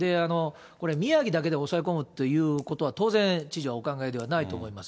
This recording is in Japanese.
これ、宮城だけで抑え込むっていうことは当然知事はお考えではないと思います。